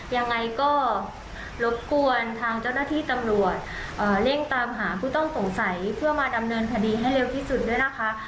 ยังไงก็รบกวนทางเจ้าหน้าที่ตำรวจเร่งตามหาผู้ต้องสงสัยเพื่อมาดำเนินคดีให้เร็วที่สุดด้วยนะคะ